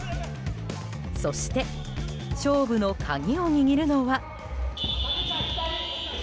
そして、勝負の鍵を握るのは。